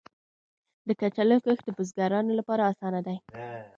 د کچالو کښت د بزګرانو لپاره اسانه دی.